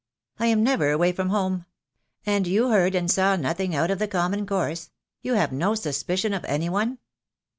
"I am never away from home." "And you heard and saw nothing out of the com mon course — you have no suspicion of any one?"